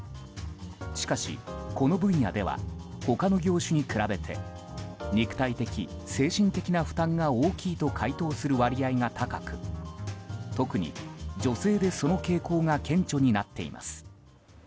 しかし、この分野では他の業種に比べて肉体的、精神的な負担が大きいと回答する割合が高く特に女性でその傾向が顕著になっています。